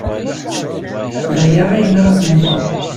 D aya ay nra ad t-nẓer.